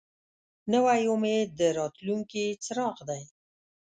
نوی امید د راتلونکي څراغ دی